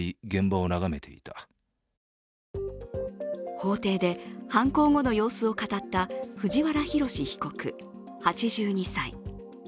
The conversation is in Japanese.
法廷で犯行後の様子を語った藤原宏被告、８２歳。